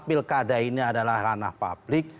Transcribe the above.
pilkada ini adalah ranah publik